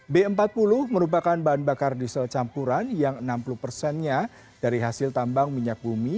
b empat puluh merupakan bahan bakar diesel campuran yang enam puluh persennya dari hasil tambang minyak bumi